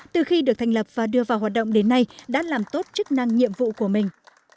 từ khi được thành lập và đưa vào hoạt động đến nay đã làm tốt chức năng nhiệm vụ của mình